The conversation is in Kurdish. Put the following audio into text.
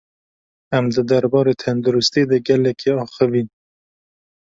Em di derbarê tendirustiyê de gelekî axivîn.